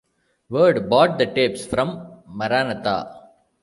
Word bought the tapes from Maranatha!